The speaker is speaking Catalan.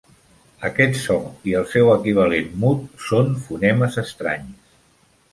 Aquest so i el seu equivalent mut són fonemes estranys.